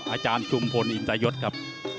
อาจารย์ชุมพลอินตยศครับ